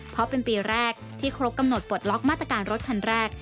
เพราะเป็นปีแรกที่ครบกำหนดปลดล็อกมาตรการรถคันแรก